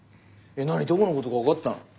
何どこのことか分かったの？